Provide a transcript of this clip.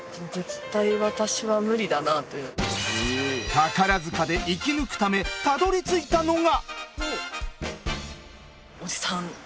宝塚で生き抜くためたどりついたのが。